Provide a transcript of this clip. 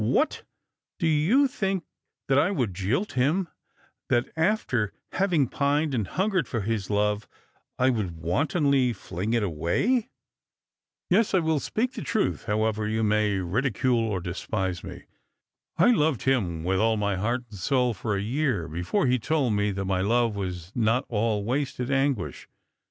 " What ! Do you think that I would jilt him, that after having pined and hungered for his love I would wantonly fling it away ? Yes, I will speak the truth, however you may ridicule or despise me. I loved him with all my heart and soul for a year before he told me that my love was not all wasted anguish.